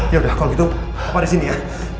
yaudah kalau gitu pak ada sini ya